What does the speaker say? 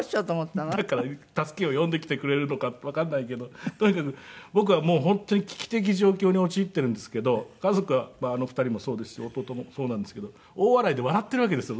助けを呼んできてくれるのかわかんないけどとにかく僕はもう本当に危機的状況に陥っているんですけど家族はあの２人もそうですし弟もそうなんですけど大笑いで笑っているわけですよ。